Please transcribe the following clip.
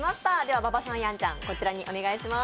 馬場さん、やんちゃんこちらにお願いします。